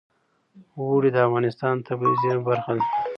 اوړي د افغانستان د طبیعي زیرمو برخه ده.